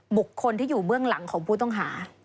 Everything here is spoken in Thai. บุคคลที่อยู่เบื้องหลังของผู้ต้องหา